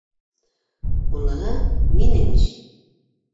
Уныһы минең эш.